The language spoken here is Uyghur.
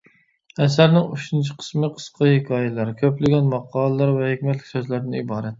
ئەسەرنىڭ ئۈچىنچى قىسمى قىسقا ھېكايىلەر، كۆپلىگەن ماقالىلەر ۋە ھېكمەتلىك سۆزلەردىن ئىبارەت.